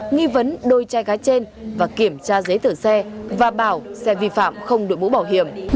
nghi vấn đôi trai gái trên và kiểm tra giấy tờ xe và bảo xe vi phạm không đội mũ bảo hiểm